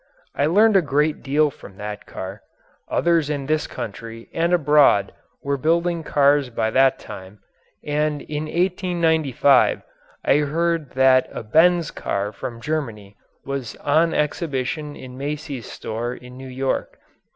I learned a great deal from that car. Others in this country and abroad were building cars by that time, and in 1895 I heard that a Benz car from Germany was on exhibition in Macy's store in New York.